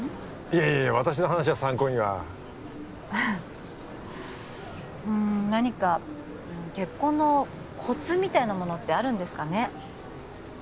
いやいや私の話は参考にはうん何か結婚のコツみたいなものってあるんですかね？